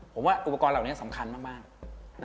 ผมว่าอุปกรณ์เหล่านี้สำคัญมาก